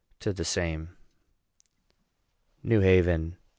TO THE SAME. NEW HAVEN.